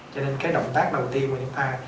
cho nên cái động tác đầu tiên của chúng ta